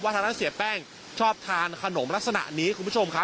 ทางด้านเสียแป้งชอบทานขนมลักษณะนี้คุณผู้ชมครับ